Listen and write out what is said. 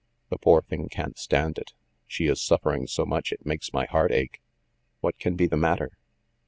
"The poor thing can't stand it. She is suffering so that it makes my heart ache. What can be the matter?"